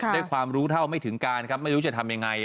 ได้ความรู้เท่าไม่ถึงการครับไม่รู้จะทำยังไง